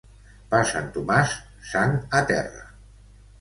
Per Sant Tomàs, sang a terra.